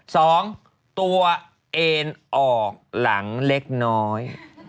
สองตัวเอ็นออกหลังเล็กน้อย